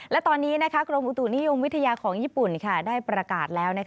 และตอนนี้กรมอุตุนิยมวิทยาของญี่ปุ่นได้ประกาศแล้ว